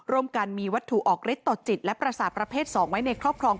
ร่วมกันมีวัตถุออกฤทธิต่อจิตและประสาทประเภท๒ไว้ในครอบครอง